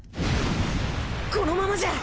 このままじゃ。